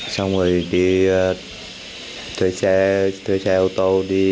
xong rồi đi chơi xe chơi xe ô tô